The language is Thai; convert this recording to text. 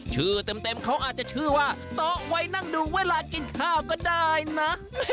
เต็มเขาอาจจะชื่อว่าโต๊ะไว้นั่งดูเวลากินข้าวก็ได้นะ